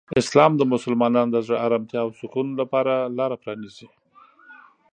اسلام د مسلمانانو د زړه آرامتیا او سکون لپاره لاره پرانیزي.